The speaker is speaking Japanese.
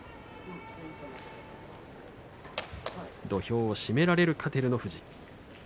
土俵を締められるか照ノ富士。